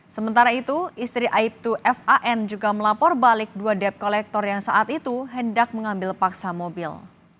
sementara itu istri aibtu van juga melapor balik dua debt collector yang saat itu hendak mengambil paksa mobil